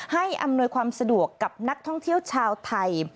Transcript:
อำนวยความสะดวกกับนักท่องเที่ยวชาวไทย